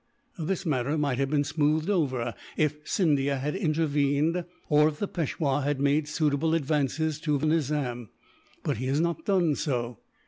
This matter might have been smoothed over, if Scindia had intervened, or if the Peishwa had made suitable advances to the Nizam; but he has not done so.